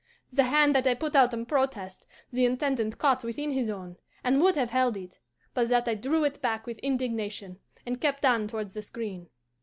The hand that I put out in protest the Intendant caught within his own, and would have held it, but that I drew it back with indignation, and kept on towards the screen.